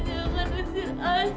jangan usir asma mas